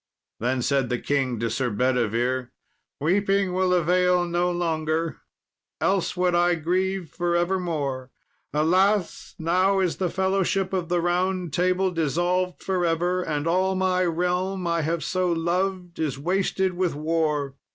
Then said the king to Sir Bedivere, "Weeping will avail no longer, else would I grieve for evermore. Alas! now is the fellowship of the Round Table dissolved for ever, and all my realm I have so loved is wasted with war.